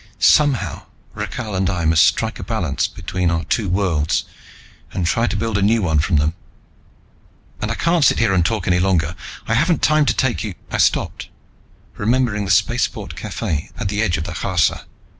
Somehow Rakhal and I must strike a balance between our two worlds, and try to build a new one from them. "And I can't sit here and talk any longer. I haven't time to take you " I stopped, remembering the spaceport cafe at the edge of the Kharsa.